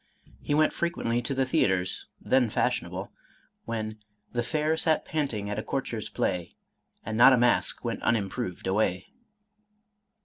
He went frequently to the thea ters, then fashionable, when "The fair sat panting at a courtier's play, And not a mask went unimproved away."